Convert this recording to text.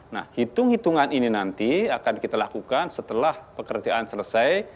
nah hitung hitungan ini nanti akan kita lakukan setelah pekerjaan selesai